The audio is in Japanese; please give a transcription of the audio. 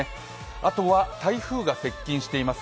あと、台風が接近しています。